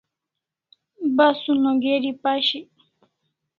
Basun o geri pashik